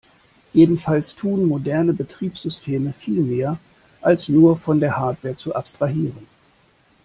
Jedenfalls tun moderne Betriebssysteme viel mehr, als nur von der Hardware zu abstrahieren.